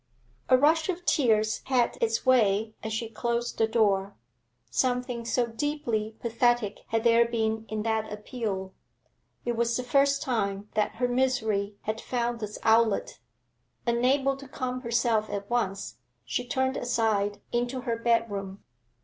A rush of tears had its way as she closed the door, something so deeply pathetic had there been in that appeal. It was the first time that her misery had found this outlet; unable to calm herself at once, she turned aside into her bedroom.